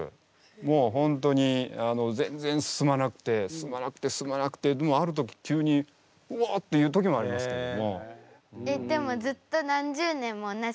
もうホントに全然進まなくて進まなくて進まなくてでもある時急に「うお！」っていう時もありますけども。